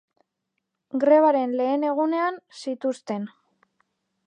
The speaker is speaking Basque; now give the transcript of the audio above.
Grebaren lehen egunean, zituzten.